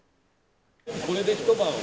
これで一晩は？